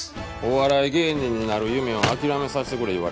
お笑い芸人になる夢を諦めさせてくれ言われてな。